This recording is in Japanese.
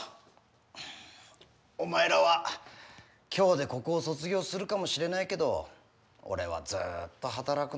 お前らは今日でここを卒業するかもしれないけど俺はずっと働くの。